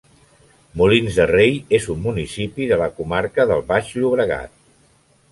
Molins de Rei és un municipi de la comarca del Baix Llobregat.